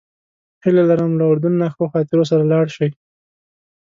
هیله لرم له اردن نه ښو خاطرو سره لاړ شئ.